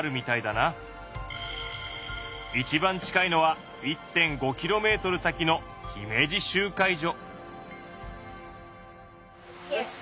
一番近いのは１．５キロメートル先の姫路集会所。